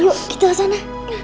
yuk kita ke sana